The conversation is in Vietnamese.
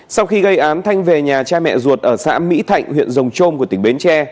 sau khi gây án thanh về nhà cha mẹ ruột ở xã mỹ thạnh huyện rồng trôm của tỉnh bến tre